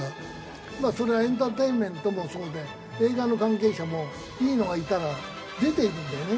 まあそれはエンターテインメントもそうで映画の関係者もいいのがいたら出ていくんだよね。